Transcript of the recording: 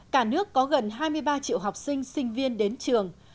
cả nước có gần hai mươi ba triệu học sinh sinh viên đến trường